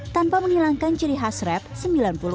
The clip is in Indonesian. tanpa menghilangkan ciri khas rap sembilan puluh an